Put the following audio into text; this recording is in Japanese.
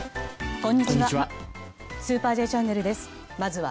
こんにちは。